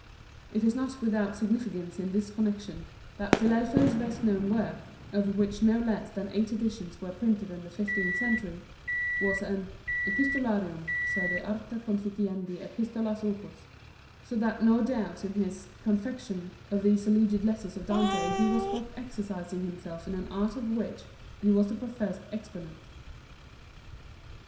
It is not without significance in this connexion that Filelfo's best known work, of which no less than eight editions were printed in the fifteenth century, was an Epistolarium, seu de arte conficiendi epistolas opus ;' so that no doubt in his ' confection ' of these alleged letters of Dante he was but exercising himself in an art of which he was the professed exponent.